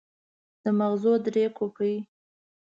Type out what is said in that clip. د ماغزو درې کوپړۍ.